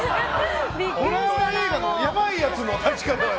ホラー映画のやばいやつの立ち方だよ。